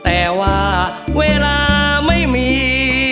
แต่ว่าเวลาไม่มี